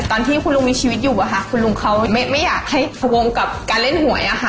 ตอนที่คุณลุงมีชีวิตอยู่อะค่ะคุณลุงเขาไม่อยากให้พวงกับการเล่นหวยอะค่ะ